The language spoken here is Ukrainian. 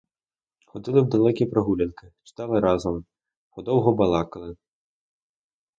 Ходили в далекі прогулянки, читали разом, подовгу балакали.